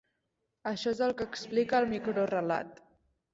Això és el que explica el microrelat!